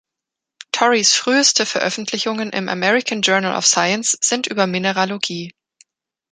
Torreys früheste Veröffentlichungen im „American Journal of Science“ sind über Mineralogie.